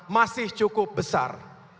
masih cukup besar